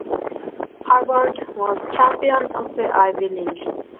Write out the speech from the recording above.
Harvard was champion of the Ivy League.